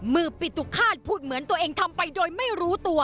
ปิตุฆาตพูดเหมือนตัวเองทำไปโดยไม่รู้ตัว